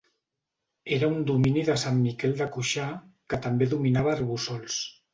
Era un domini de Sant Miquel de Cuixà, que també dominava Arboçols.